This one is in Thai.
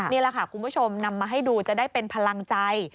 นี่แหละค่ะคุณผู้ชมนำมาให้ดูจะได้เป็นพลังใจ